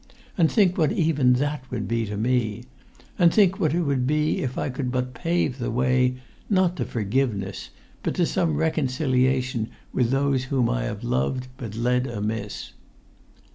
And think what even that would be to me! And think what it would be if I could but pave the way, not to forgiveness, but to some reconciliation with those whom I have loved but led amiss